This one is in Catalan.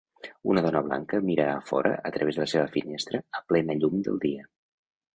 Una dona blanca mira a fora a través de la seva finestra a plena llum del dia.